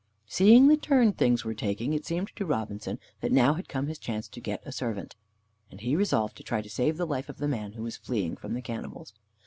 Seeing the turn things were taking, it seemed to Robinson that now had come his chance to get a servant, and he resolved to try to save the life of the man who was fleeing from the cannibals.